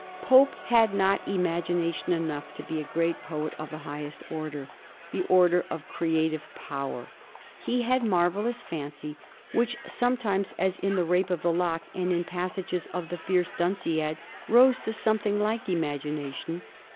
Pope had not imagination enough to be a great poet of the highest order — the order of creative power. He had marvellous fancy, which sometimes, as in *' The Rape of the Lock " and in passages of the fierce '^ Dunciad," rose to something like imagination.